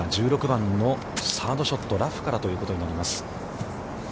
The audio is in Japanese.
１６番のサードショット、ラフからということになります。